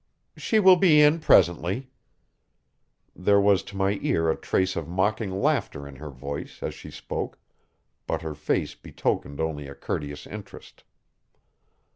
"She will be in presently." There was to my ear a trace of mocking laughter in her voice as she spoke, but her face betokened only a courteous interest.